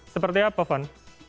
seperti apa van